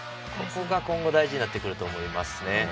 今後大事になってくると思いますね。